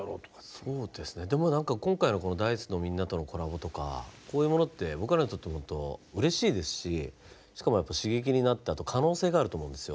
そうですねでも何か今回のＤａ−ｉＣＥのみんなとのコラボとかこういうものって僕らにとってもうれしいですししかも刺激になってあと可能性があると思うんですよ。